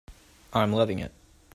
I'm loving it.